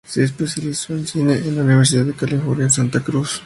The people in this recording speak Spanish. Se especializó en cine en la Universidad de California en Santa Cruz.